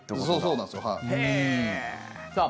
そうなんですよ、はい。